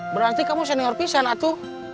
berarti kamu seorang pingsan atu